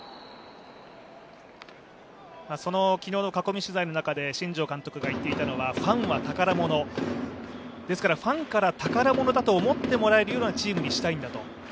昨日の囲み取材の中で新庄監督が言っていたのはファンからは宝物、だからファンから宝物だと思ってもらえるチームにしたいんだと。